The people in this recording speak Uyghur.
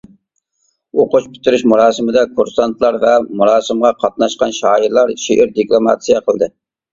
ئۇقۇش پۈتتۈرۈش مۇراسىمىدا كۇرسانتلار ۋە مۇراسىمغا قاتناشقان شائىرلار شېئىر دېكلاماتسىيە قىلدى .